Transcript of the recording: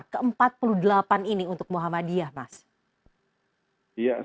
ke empat puluh delapan ini untuk muhammadiyah mas